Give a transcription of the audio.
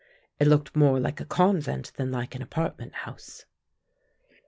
It looked more like a convent than like an apartment house.